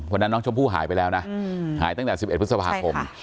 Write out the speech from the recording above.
วันนั้นน้องชมพู่หายไปแล้วนะหายตั้งแต่๑๑พฤษภาคม